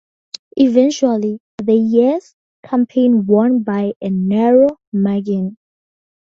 Eventually, the "yes" campaign won by a narrow margin.